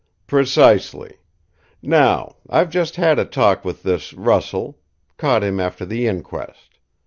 "Precisely. Now, I've just had a talk with this Russell caught him after the inquest.